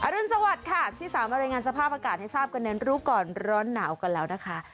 รุนสวัสดิ์ค่ะที่สามารถรายงานสภาพอากาศให้ทราบกันในรู้ก่อนร้อนหนาวกันแล้วนะคะ